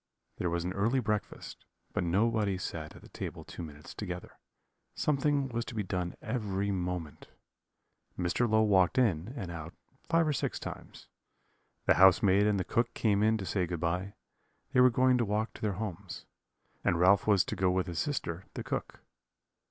There was an early breakfast, but nobody sat at the table two minutes together; something was to be done every moment. Mr. Low walked in and out five or six times. The housemaid and the cook came in to say good bye; they were going to walk to their homes; and Ralph was to go with his sister, the cook.